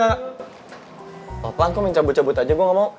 gapapa kok lo mau cabut cabut aja gue gak mau